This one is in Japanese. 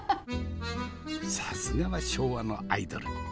さすがは昭和のアイドル。